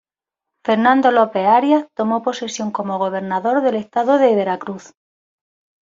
Fernando López Arias tomó posesión como gobernador del estado de Veracruz.